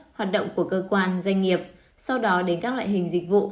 hoạt động của cơ quan doanh nghiệp sau đó đến các loại hình dịch vụ